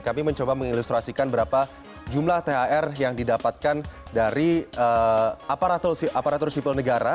kami mencoba mengilustrasikan berapa jumlah thr yang didapatkan dari aparatur sipil negara